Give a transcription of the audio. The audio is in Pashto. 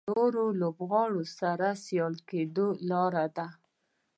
نورو لوبغاړو سره سیال کېدو لاره ده.